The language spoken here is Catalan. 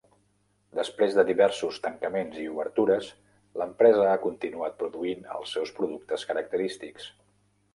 Després de diversos tancaments i obertures l'empresa ha continuat produint els seus productes característics.